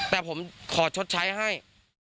แต่ผมขอชดใช้ให้